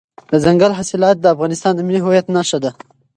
دځنګل حاصلات د افغانستان د ملي هویت یوه نښه ده.